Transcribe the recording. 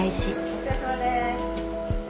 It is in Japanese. お疲れさまです。